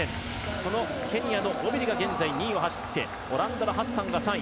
そのケニアのオビリが２位を走ってオランダのハッサンが３位。